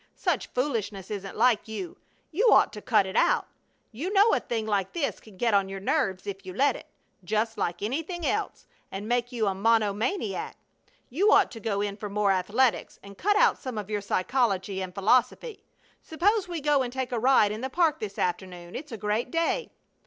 Such foolishness isn't like you. You ought to cut it out. You know a thing like this can get on your nerves if you let it, just like anything else, and make you a monomaniac. You ought to go in for more athletics and cut out some of your psychology and philosophy. Suppose we go and take a ride in the park this afternoon. It's a great day."